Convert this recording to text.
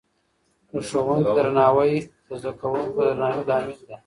د ښوونکې درناوی د زده کوونکو د درناوي لامل دی.